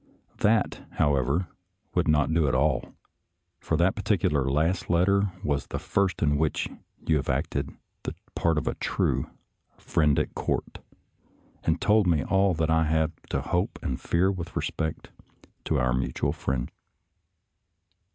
That, however, would not do at all, for that particular last letter was the first in which you have acted the part of a true " friend at court," and told me all that I have to hope and fear with respect to our mutual friend.